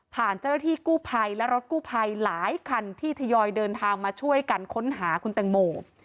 เจ้าหน้าที่กู้ภัยและรถกู้ภัยหลายคันที่ทยอยเดินทางมาช่วยกันค้นหาคุณแตงโม